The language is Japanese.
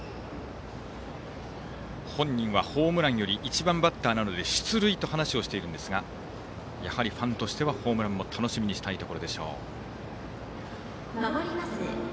本人はホームランより１番バッターなので出塁と話しているんですがファンとしてはホームランも楽しみにしたいところでしょう。